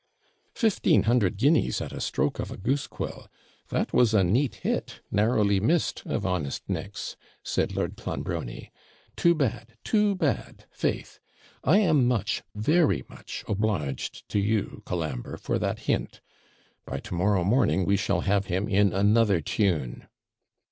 'Fifteen hundred guineas, at a stroke of a goose quill! That was a neat hit, narrowly missed, of honest Nick's!' said Lord Clonbrony. 'Too bad! too bad, faith! I am much, very much obliged to you, Colambre, for that hint; by to morrow morning we shall have him in another tune.'